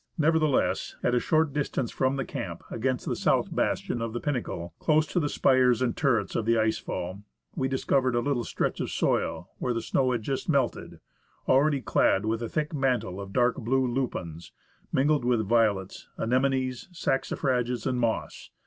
Nevertheless, at a short distance from the camp, against the south bastion of the Pinnacle, close to the spires and turrets of the ice fall, we discovered a little stretch of soil where the snow had just melted, already clad with a thick mantle of dark blue lupins, mingled with violets, anemones, saxifrages, and moss.